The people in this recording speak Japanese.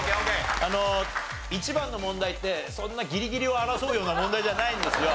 あの１番の問題ってそんなギリギリを争うような問題じゃないんですよ。